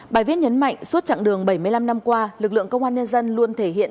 bài viết nhấn mạnh suốt chặng đường bảy mươi năm năm qua lực lượng công an nhân dân luôn thể hiện